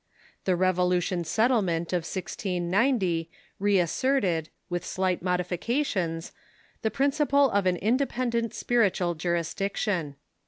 The Revolution Settlement of 1690 reasserted, with slight modifications, the principle of an independent spiritual jurisdiction.